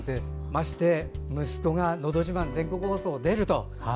ましてや息子が「のど自慢」全国放送に出ると。